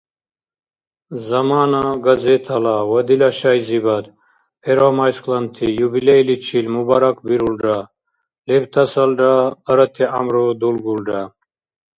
«Замана» газетала ва дила шайзибад первомайскланти юбилейличил мубаракбирулра, лебтасалра арати гӀямру дулгулра.